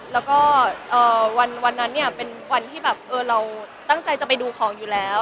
แล้วก็วันนั้นเนี่ยเป็นวันที่แบบเราตั้งใจจะไปดูของอยู่แล้ว